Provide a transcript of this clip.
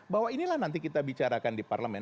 bahwa inilah nanti kita bicarakan di parlemen